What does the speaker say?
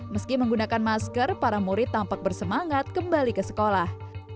meski menggunakan masker para murid tampak bersemangat kembali ke sekolah